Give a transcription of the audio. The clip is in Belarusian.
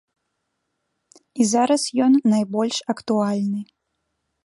І зараз ён найбольш актуальны.